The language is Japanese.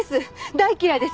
大嫌いです！